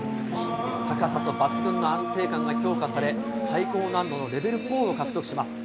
高さと抜群の安定感が評価され、最高難度のレベル４を獲得します。